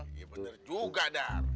iya bener juga dar